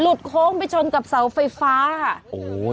โค้งไปชนกับเสาไฟฟ้าค่ะโอ้โห